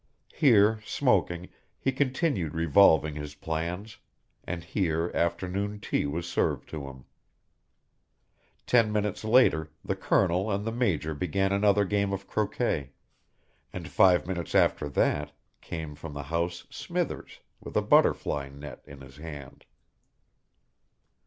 Here, smoking, he continued revolving his plans, and here afternoon tea was served to him. Ten minutes later the colonel and the major began another game of croquet, and five minutes after that, came from the house Smithers, with a butterfly net in his hand.